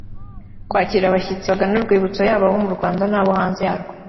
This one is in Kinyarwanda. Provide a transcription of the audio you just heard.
kwakira abashyitsi bagana urwibutso yaba abo mu Rwamda n’abo hanze yarwo